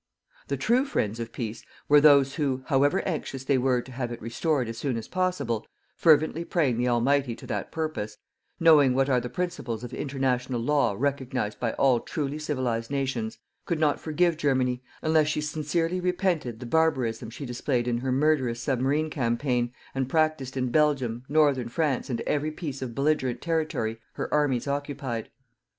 The TRUE friends of PEACE were those who, however anxious they were to have it restored as soon as possible fervently praying the Almighty to that purpose , knowing what are the principles of International Law recognized by all truly civilized nations, could not forgive Germany, UNLESS SHE SINCERELY REPENTED, the barbarism she displayed in her murderous submarine campaign, and practised in Belgium, Northern France and in every piece of belligerent territory her armies occupied.